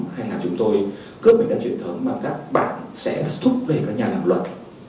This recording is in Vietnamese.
hay là chúng tôi cướp mình ra truyền thống mà các bạn sẽ thúc đẩy các nhà làm luật